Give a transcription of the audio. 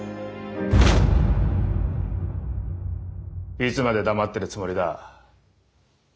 いつまで黙ってるつもりだ。